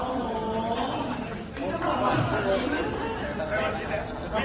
ขอบคุณภาพให้กับคุณผู้ฝ่าย